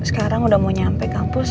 sekarang udah mau nyampe kampus